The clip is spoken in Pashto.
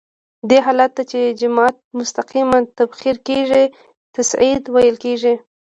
دې حالت ته چې جامد مستقیماً تبخیر کیږي تصعید ویل کیږي.